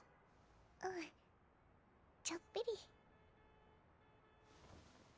うんちょっぴり。